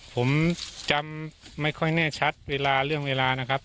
ผมจำไม่ค่อยแน่ชัดเวลาเรื่องเวลานะครับ